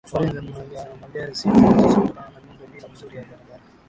Foleni za magari sio za kutisha kutokana na miundo mbinu mizuri ya barabara